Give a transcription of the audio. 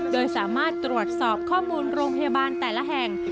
โดยสามารถตรวจสอบข้อมูลโรงพยาบาลแต่ละแห่ง